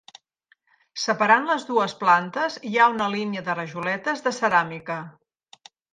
Separant les dues plantes hi ha una línia de rajoletes de ceràmica.